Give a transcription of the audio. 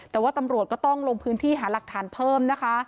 แต่ว่าตำรวจก็ต้องลงพื้นที่หาหลักฐานเพิ่มนะคะ